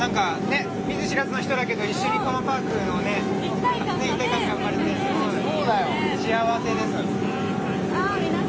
見ず知らずの人だけど、一緒にこのパークで一体感が生まれて幸せです